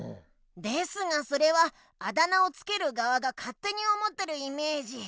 ですがそれはあだ名をつけるがわがかってに思ってるイメージ。